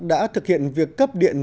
đã thực hiện việc cấp điện